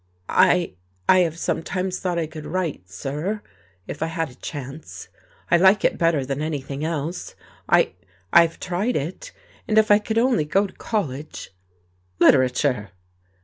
"I I have sometimes thought I could write, sir, if I had a chance. I like it better than anything else. I I have tried it. And if I could only go to college " "Literature!"